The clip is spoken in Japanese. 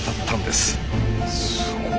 すごい。